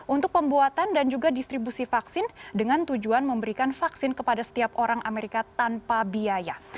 untuk pembuatan dan juga distribusi vaksin dengan tujuan memberikan vaksin kepada setiap orang amerika tanpa biaya